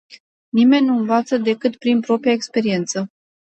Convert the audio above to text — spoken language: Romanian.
Nimeni nu învață decât prin propria-i experiență.